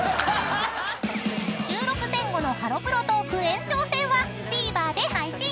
［収録前後のハロプロトーク延長戦はＴＶｅｒで配信］